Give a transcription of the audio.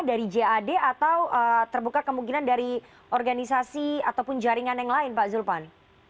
dari jad atau terbuka kemungkinan dari organisasi ataupun jaringan yang lain pak zulfan